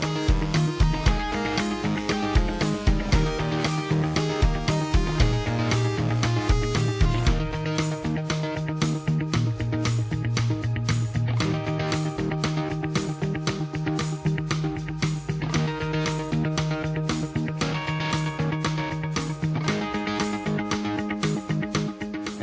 ลูกหลัก